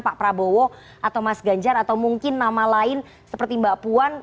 pak prabowo atau mas ganjar atau mungkin nama lain seperti mbak puan